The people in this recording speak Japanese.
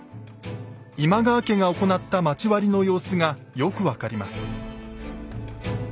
今川家が行った町割の様子がよく分かります。